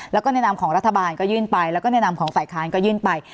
แล้วก็แนะนำของรัฐบาลก็ยื่นไปแล้วก็แนะนำของฝ่ายค้านก็ยื่นไป